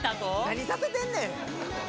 「何させてんねん！」